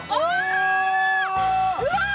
うわ！